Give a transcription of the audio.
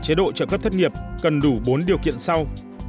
chế độ trợ cấp thất nghiệp cần đủ bốn điều kiện sau